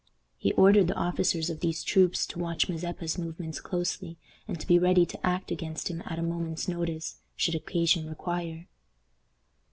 He ordered the officers of these troops to watch Mazeppa's movements closely, and to be ready to act against him at a moment's notice, should occasion require.